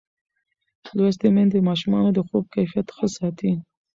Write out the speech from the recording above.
لوستې میندې د ماشومانو د خوب کیفیت ښه ساتي.